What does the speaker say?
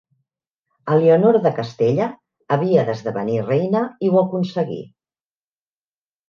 Elionor de Castella havia d'esdevenir reina i ho aconseguí.